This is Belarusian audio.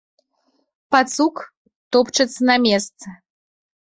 Пацук топчацца на месцы.